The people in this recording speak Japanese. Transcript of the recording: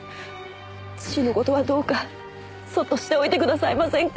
父の事はどうかそっとしておいてくださいませんか。